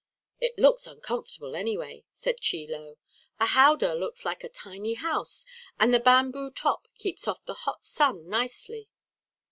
"It looks comfortable, anyway," said Chie Lo. "A howdah looks like a tiny house, and the bamboo top keeps off the hot sun nicely.